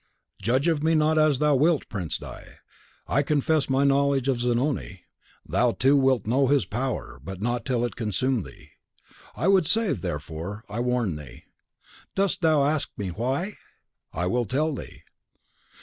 "Judge of me as thou wilt, Prince di . I confess my knowledge of Zanoni. Thou, too, wilt know his power, but not till it consume thee. I would save, therefore I warn thee. Dost thou ask me why? I will tell thee.